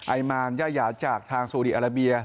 ไอมานยายาจากทางซูดีอาราเบีย